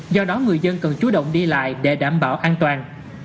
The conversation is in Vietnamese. do đó người dân cần chú động đi lại để đảm bảo an toàn